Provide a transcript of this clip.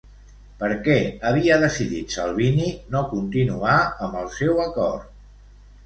Per què havia decidit Salvini no continuar amb el seu acord?